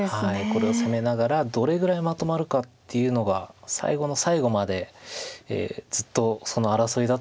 これを攻めながらどれぐらいまとまるかっていうのが最後の最後までずっとその争いだったんですけど